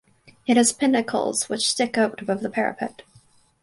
It has pinnacles which stick out above the parapet.